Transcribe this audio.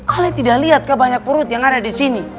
ale tidak lihat ke banyak perut yang ada di sini